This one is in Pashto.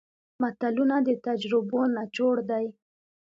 متلونه د تجربو نچوړ دی